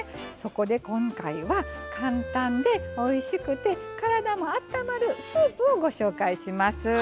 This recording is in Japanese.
そこで今回は簡単でおいしくて体もあったまるスープをご紹介します。